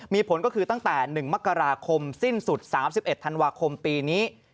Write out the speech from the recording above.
มีผลก็คือตั้งแต่๑มกราคมสิ้นสุด๓๑ธันวาคมปีนี้